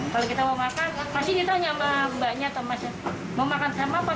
kalau kita mau makan pasti ditanya sama mbaknya atau mas mau makan sama apa